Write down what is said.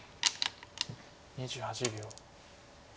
２８秒。